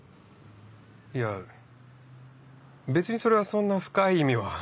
いや別にそれはそんな深い意味は。